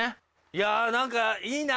いや何かいいな！